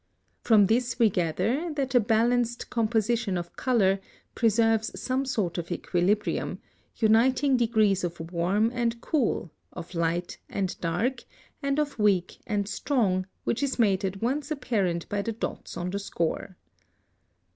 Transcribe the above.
From this we gather that a balanced composition of color preserves some sort of equilibrium, uniting degrees of warm and cool, of light and dark, and of weak and strong, which is made at once apparent by the dots on the score.